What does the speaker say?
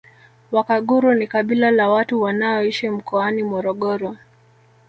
Wakaguru ni kabila la watu wanaoishi mkoani Morogoro